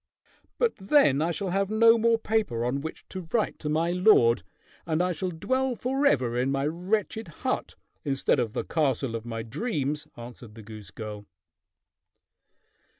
_] "But then I shall have no more paper on which to write to my lord, and I shall dwell forever in my wretched hut instead of the castle of my dreams," answered the goose girl.